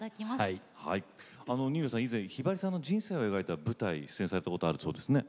以前ひばりさんの人生を描いた舞台に出演されたことあるそうですね。